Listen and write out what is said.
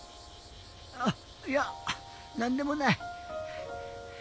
あっいやなんでもない。